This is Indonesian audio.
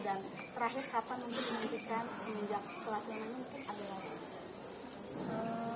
dan terakhir kapan mimpi dimimpikan semenjak setelah ini mungkin ada apa